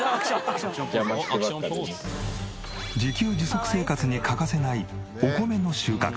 自給自足生活に欠かせないお米の収穫。